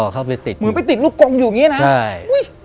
ยังคือไม่ติดลูกกรงอยู่อย่างนี้ถ้าใช่